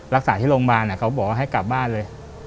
รักษาที่โรงพยาบาลเขาบอกว่าให้กลับบ้านเลย